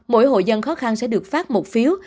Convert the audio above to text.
mỗi hội dân khó khăn sẽ được phát một phiếu